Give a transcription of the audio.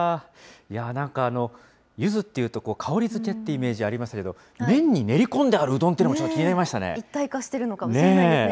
なんか、ゆずっていうと、香りづけってイメージありますけど、麺に練り込んであるうどんっていう一体化しているのかもしれないですね。